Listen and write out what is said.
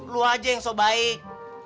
lu aja yang so baik